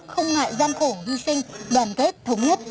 không ngại gian khổ hy sinh đoàn kết thống nhất